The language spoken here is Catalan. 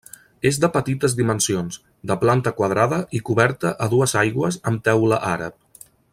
És de petites dimensions, de planta quadrada i coberta a dues aigües amb teula àrab.